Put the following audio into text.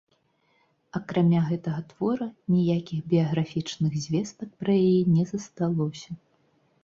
Акрамя гэтага твора, ніякіх біяграфічных звестак пра яе не засталося.